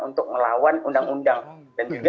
untuk melawan undang undang dan juga